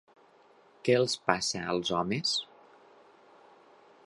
Què els passa, als homes?